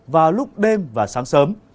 vào lúc đêm và sáng sớm